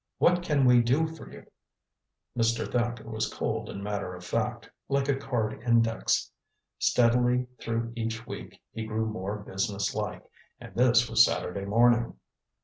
"What can we do for you?" Mr. Thacker was cold and matter of fact, like a card index. Steadily through each week he grew more businesslike and this was Saturday morning.